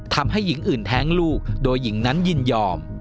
ทำให้หญิงอื่นแท้งลูกโดยหญิงนั้นยินยอม